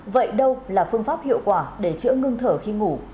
vậy đâu là phương pháp hiệu quả để chữa ngưng thở khi ngủ